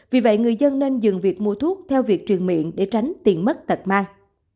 vì vậy người dân nên dừng việc mua thuốc theo việc truyền miệng để tránh tiền mất tật mang